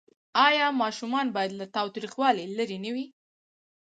آیا ماشومان باید له تاوتریخوالي لرې نه وي؟